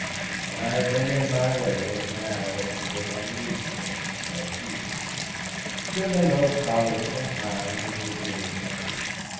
And I have been in my way as narrow and as unreasonable as he. "You have been both tolerant and kind in your dealings with me.